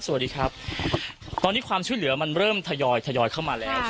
สวัสดีครับตอนนี้ความช่วยเหลือมันเริ่มทยอยทยอยเข้ามาแล้ว